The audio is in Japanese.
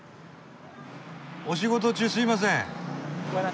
お仕事中すいません。